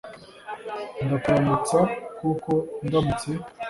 ndakuramutsa kuko ndamutse